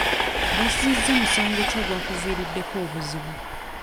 Wazzizza musango ki ogwakuviiriddeko obuzibu?